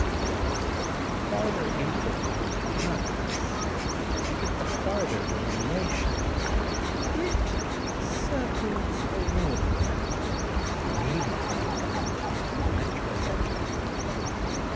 Farther inquiry in my eyes, I get the farther delineation, "It circles Aurora," meaning, no doubt, the electric centre.